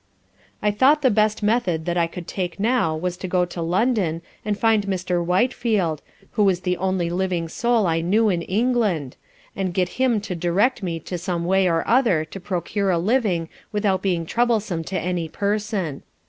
I thought the best method that I could take now, was to go to London, and find out Mr. Whitefield, who was the only living soul I knew in England, and get him to direct me to some way or other to procure a living without being troublesome to any Person.